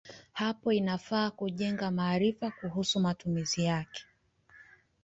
Hapo inafaa kujenga maarifa kuhusu matumizi yake.